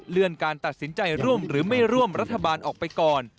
การตัดสินใจร่วมหรือไม่ร่วมรัฐบาลออกไปก่อน